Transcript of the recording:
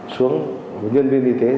xuống nhân viên y tế